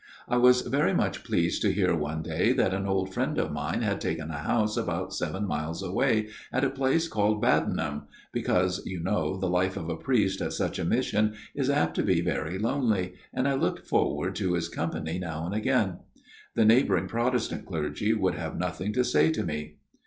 I was very much pleased to hear one day that an old friend of mine had taken a house about seven miles away at a place called Baddenham because, you know, the life of a priest at such a mission is apt to be very lonely, and I looked forward to his company now and again. The neighbouring Protestant clergy would have nothing to say to me."